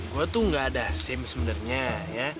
gue tuh gak ada sim sebenarnya ya